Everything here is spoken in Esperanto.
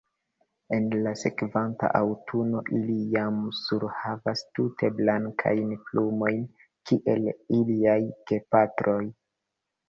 En la sekvanta aŭtuno ili jam surhavas tute blankajn plumojn kiel iliaj gepatroj.